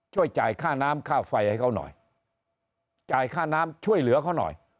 ช่วยจ่ายค่าน้ำค่าไฟให้เขาหน่อยจ่ายค่าน้ำช่วยเหลือเขาหน่อย